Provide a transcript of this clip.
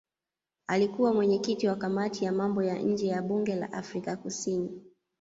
Alikuwa mwenyekiti wa kamati ya mambo ya nje ya bunge la Afrika Kusini.